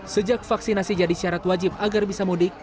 sejak vaksinasi jadi syarat wajib agar bisa mudik